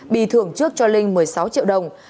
bị thưởng trước cho linh một mươi sáu triệu đồng